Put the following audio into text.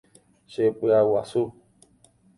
Chepy'aguasu.